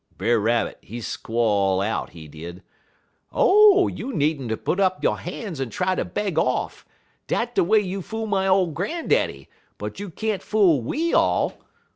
Brer Rabbit, he squall out, he did: "'Oh, you nee'nter put up yo' han's en try ter beg off. Dat de way you fool my ole gran'daddy; but you can't fool we all.